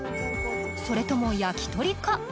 それとも焼き鳥か